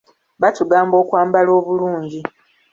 Baatugamba okwambala obulungi.